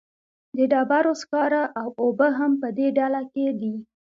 د ډبرو سکاره او اوبه هم په دې ډله کې دي.